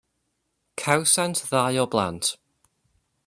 Cawsant ddau o blant.